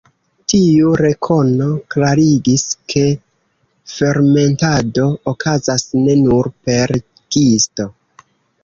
Tiu rekono klarigis, ke fermentado okazas ne nur per gisto.